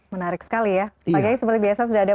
menarik sekali ya pak gaya seperti biasa sudah ada